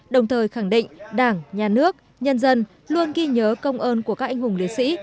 đồng thời khẳng định đảng nhà nước nhân dân luôn ghi nhớ công ơn của các anh hùng liệt sĩ